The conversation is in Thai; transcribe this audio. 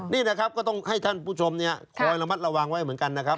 นี่นะครับก็ต้องให้ท่านผู้ชมคอยระมัดระวังไว้เหมือนกันนะครับ